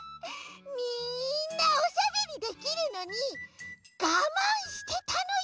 みんなおしゃべりできるのにがまんしてたのよ！